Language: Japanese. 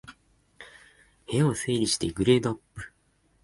部屋を整理してグレードアップ